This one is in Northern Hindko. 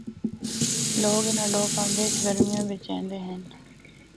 لوگ انِاں ڈھوکاں بچ گرمیاں بچ ایندے ہن۔